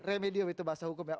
remedium itu bahasa hukum